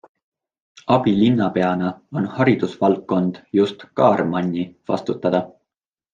Abilinnapeana on haridusvaldkond just Kaarmanni vastutada.